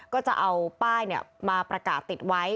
ก็จะเอาป้ายมาประกาศติดไว้